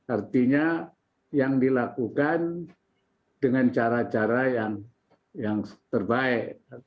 artinya yang dilakukan dengan cara cara yang terbaik